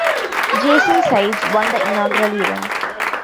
Jason Sides won the inaugural event.